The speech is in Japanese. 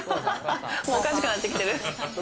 もうおかしくなってきてる。